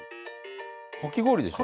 かき氷でしょ？